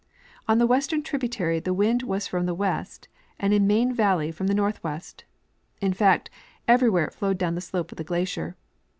On the Avestern trib utary the wind was from the west and in Main valley from the northwest ; in fact, everywhere it flowed down the slope of the glacier.